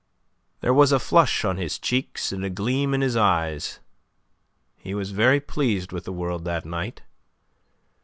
There was a flush on his cheeks and a gleam in his eyes. He was very pleased with the world that night.